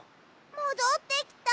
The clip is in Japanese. もどってきた。